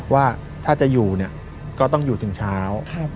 ว่าถ้าจะอยู่เนี่ยก็ต้องอยู่ถึงเช้า